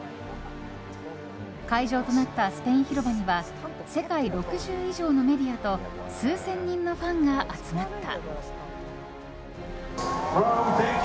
会場となったスペイン広場には世界６０以上のメディアと数千人のファンが集まった。